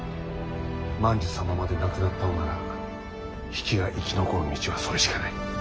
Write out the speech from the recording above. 万寿様まで亡くなったのなら比企が生き残る道はそれしかない。